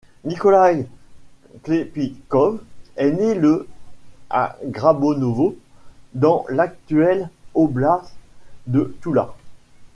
Nikolaï Klepikov est né le à Grabonovo, dans l'actuelle oblast de Toula.